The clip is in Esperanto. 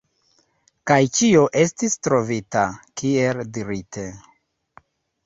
Kaj ĉio estis trovita, kiel dirite.